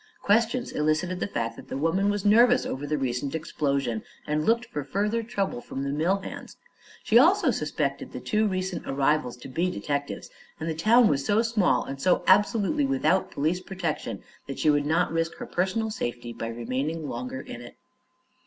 Questions elicited the fact that the woman was nervous over the recent explosion and looked for further trouble from the mill hands. She also suspected the two recent arrivals to be detectives, and the town was so small and so absolutely without police protection that she would not risk her personal safety by remaining longer in it.